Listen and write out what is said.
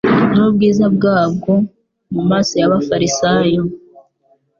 n'ubwiza bwabwo mu maso y'abafarisayo.